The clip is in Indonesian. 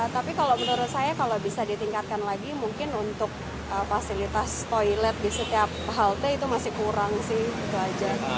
tapi kalau menurut saya kalau bisa ditingkatkan lagi mungkin untuk fasilitas toilet di setiap halte itu masih kurang sih gitu aja